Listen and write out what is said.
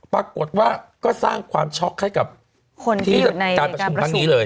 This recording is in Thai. ปรากฏว่าก็สร้างความช็อกให้กับคนที่การประชุมครั้งนี้เลย